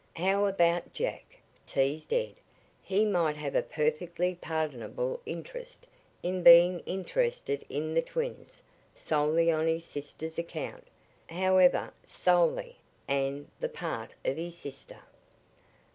"How about Jack?" teased Ed. "He might have a perfectly pardonable interest in being Interested in the twins solely on his sister's account, however solely an the part of his sister."